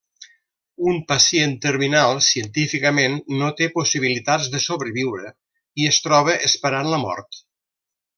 Un pacient terminal científicament no té possibilitats de sobreviure, i es troba esperant la mort.